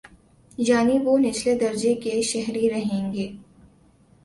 یعنی وہ نچلے درجے کے شہری رہیں گے۔